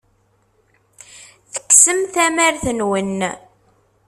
Tekksem tamart-nwen.